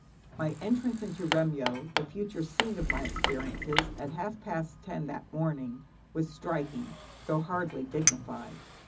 My entrance into Remyo, the future scene of my experiences, at half past ten that morning was striking, though hardly dignified.